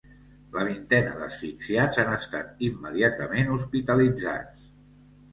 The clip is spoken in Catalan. La vintena d’asfixiats han estat immediatament hospitalitzats.